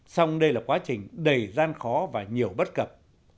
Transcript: xong đây là quá trình đầy gian khó và nhiều bất cập